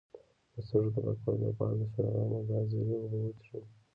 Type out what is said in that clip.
د سږو د پاکوالي لپاره د شلغم او ګازرې اوبه وڅښئ